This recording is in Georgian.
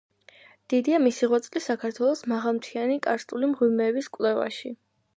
დიდია მისი ღვაწლი საქართველოს მაღალმთიანი კარსტული მღვიმეების კვლევაში.